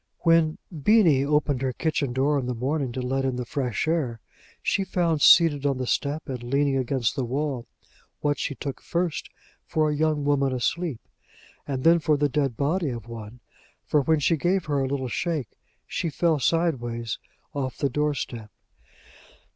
When Beenie opened her kitchen door in the morning to let in the fresh air, she found seated on the step, and leaning against the wall, what she took first for a young woman asleep, and then for the dead body of one; for, when she gave her a little shake, she fell sideways off the door step.